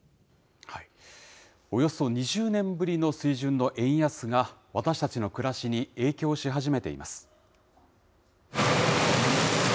およそ２０年ぶりの水準の円安が、私たちの暮らしに影響し始めています。